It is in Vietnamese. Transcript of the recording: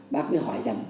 bác mới hỏi rằng